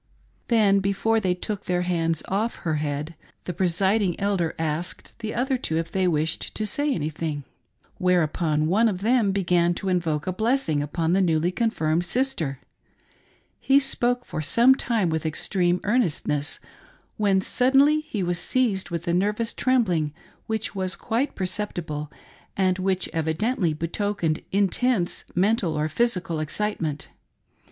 Then, before they took their hands off her head, the presid ing Elder asked the other two if they wished to say anything. Whereupon one of them began to invoke a blessing upon the newly confirmed sister. He spoke for some time with extreme earnestness, when suddenly he was seized with a nervous tremb ling which was quite perceptible, and which evidently betokened intense mental or physical excitement.